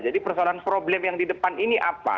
jadi persoalan problem yang di depan ini apa